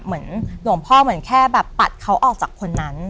เหมือนหลวงพ่อเหมือนแค่แบบปัดเขาออกจากคนนั้น